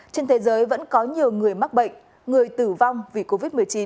trên thế giới vẫn có nhiều người mắc bệnh người tử vong vì covid một mươi chín